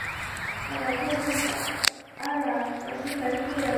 افغانستان د مس په اړه مشهور تاریخی روایتونه لري.